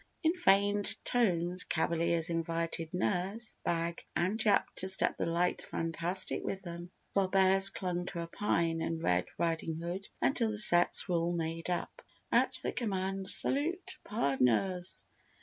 In feigned tones cavaliers invited Nurse, Bag and Jap to step the light fantastic with them, while Bears clung to a Pine and Red Riding Hood until the sets were all made up. At the command "Salute pardners!"